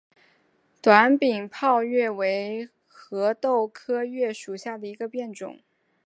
短柄枹栎为壳斗科栎属下的一个变种。